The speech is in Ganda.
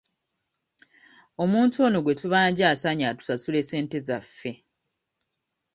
Omuntu ono gwe tubanja asaanye atusasule ssente zaffe.